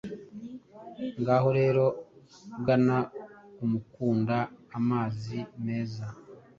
Ngaho rero gana kumukunda amazi meza